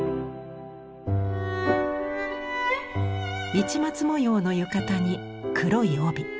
市松模様の浴衣に黒い帯。